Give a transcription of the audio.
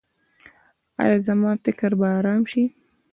ایا زما فکر به ارام شي؟